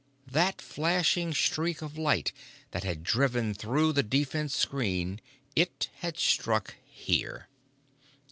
That flashing streak of light that had driven through the defense screen. It had struck here.